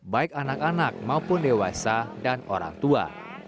baik anak anak maupun dewasa dan orang tua